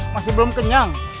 masih belum kenyang